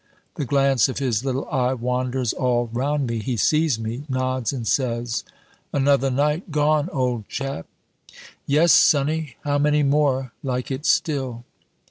The glance of his little eye wanders all round me; he sees me, nods, and says "Another night gone, old chap." "Yes, sonny; how many more like it still?"